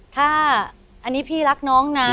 ถ้าอันนี้พี่รักน้องนะ